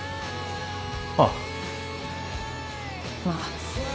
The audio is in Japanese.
ああまあ